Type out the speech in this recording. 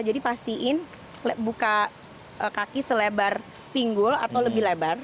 jadi pastiin buka kaki selebar pinggul atau lebih lebar